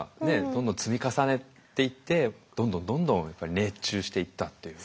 どんどん積み重ねていってどんどんどんどんやっぱり熱中していったっていう。